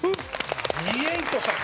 ディエイトさん